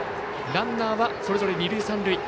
ランナーはそれぞれ二塁三塁。